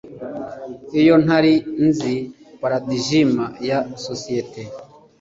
iyo ntari nzi paradigima ya societe